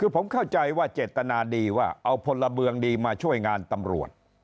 คือผมเข้าใจว่าเจตนาดีว่าเอาพลเมืองดีมาช่วยงานตำรวจ